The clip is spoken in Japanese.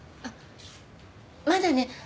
あっまだね